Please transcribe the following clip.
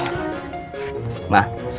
ya sudah kita masuk